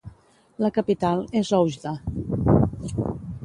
La capital és Oujda.